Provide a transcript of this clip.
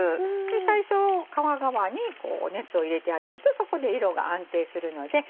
最初皮側に熱を入れてあげるとそこで色が安定するので。